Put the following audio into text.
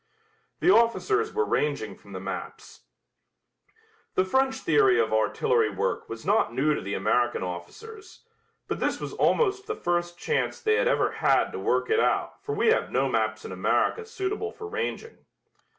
The officers were ranging from the maps. The French theory of artillery work was not new to the American officers, but this was almost the first chance they had ever had to work it out for we have no maps in America suitable for ranging.